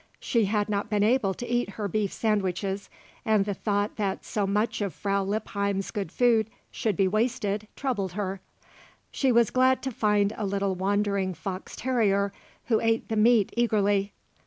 She had not been able to eat her beef sandwiches and the thought that so much of Frau Lippheim's good food should be wasted troubled her; she was glad to find a little wandering fox terrier who ate the meat eagerly.